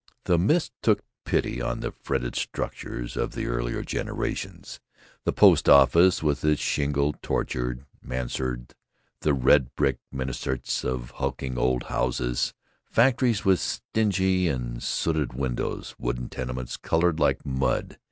The mist took pity on the fretted structures of earlier generations: the Post Office with its shingle tortured mansard, the red brick minarets of hulking old houses, factories with stingy and sooted windows, wooden tenements colored like mud.